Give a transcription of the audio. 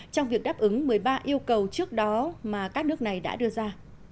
trong việc đáp ứng một mươi ba yêu cầu trước đó mà các nước này đã đưa ra